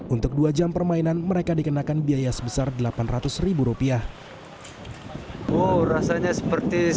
untuk dua jam permainan mereka dikenakan biaya sebesar rp delapan ratus